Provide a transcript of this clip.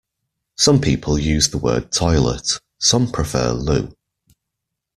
Some people use the word toilet, some prefer loo